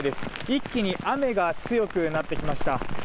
一気に雨が強くなってきました。